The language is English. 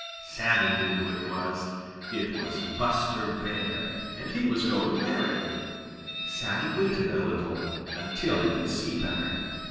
Sammy knew who it was: it was Buster Bear, and he was going berrying. Sammy waited a little until he could see better.